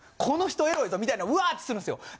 この人エロいぞみたいなのうわっとするんですよ。